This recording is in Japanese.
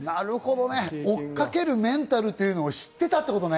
追っかけるメンタルというのを知ってたってことね？